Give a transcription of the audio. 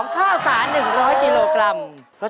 ข้าวสาร๑๐๐กิโลกรัม